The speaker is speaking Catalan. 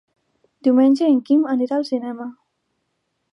Diumenge en Quim anirà al cinema.